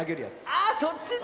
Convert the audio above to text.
あそっちね。